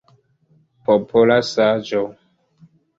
Popola saĝo!